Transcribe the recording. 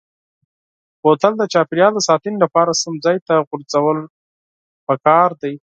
بوتل د چاپیریال د ساتنې لپاره سم ځای ته غورځول پکار دي.